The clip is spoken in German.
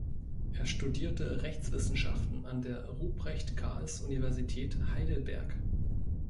Er studierte Rechtswissenschaften an der Ruprecht-Karls-Universität Heidelberg.